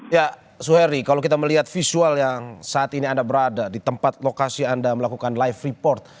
ya suhery kalau kita melihat visual yang saat ini anda berada di tempat lokasi anda melakukan live report